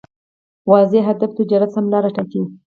واضح هدف تجارت سمه لاره ټاکي.